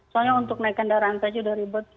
soalnya untuk naikkan daerah rantai juga ribet